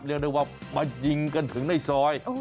เรียกได้ว่ามายิงกันถึงในซอย